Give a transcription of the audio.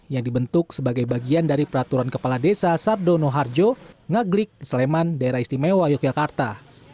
yang dibentuk sebagai bagian dari peraturan kepala desa sardono harjo ngaglik sleman daerah istimewa yogyakarta